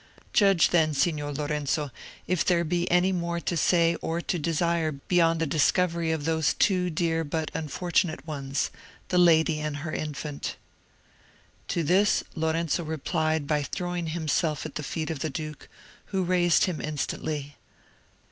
Judge, then, Signor Lorenzo, if there be any more to say or to desire beyond the discovery of those two dear but unfortunate ones—the lady and her infant." To this Lorenzo replied by throwing himself at the feet of the duke, who raised him instantly.